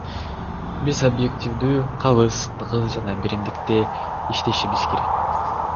Биз объективдүү, калыс, тыгыз жана биримдикте иштешибиз керек.